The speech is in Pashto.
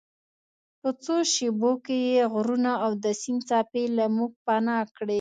په څو شیبو کې یې غرونه او د سیند څپې له موږ پناه کړې.